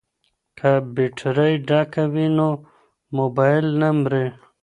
که بیټرۍ ډکه وي نو مبایل نه مري.